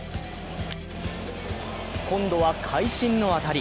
今度は会心の当たり。